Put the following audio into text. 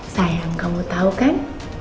sayang kamu tau kan